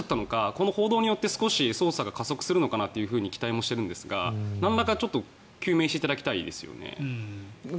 この報道によって少し捜査が加速するのかなと期待しているんですがなんらか究明していただきたいですね。